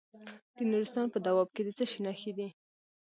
د نورستان په دو اب کې د څه شي نښې دي؟